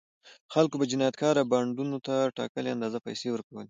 خلکو به جنایتکاره بانډونو ته ټاکلې اندازه پیسې ورکولې.